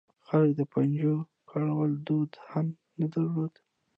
خلکو د پنجو کارولو دود هم نه درلود.